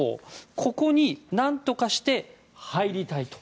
ここになんとかして入りたいと。